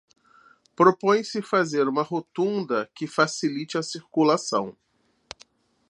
Propõe-se fazer uma rotunda que facilite a circulação.